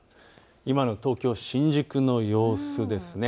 今の東京新宿の様子ですね。